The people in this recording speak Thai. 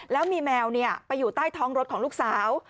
แล้วมีแมวไปอยู่ใต้ท้องรถของลูกสาว